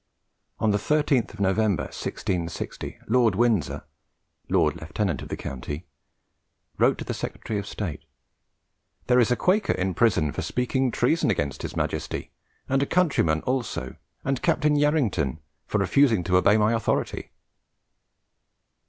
On the 13th of November, 1660, Lord Windsor, Lord Lieutenant of the county, wrote to the Secretary of State "There is a quaker in prison for speaking treason against his Majesty, and a countryman also, and Captain Yarrington for refusing to obey my authority."